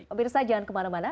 om irsa jangan kemana mana